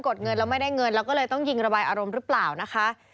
ดเงินแล้วไม่ได้เงินแล้วก็เลยต้องยิงระบายอารมณ์หรือเปล่านะคะ